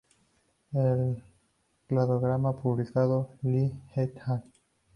El cladograma publicado por Lee "et al.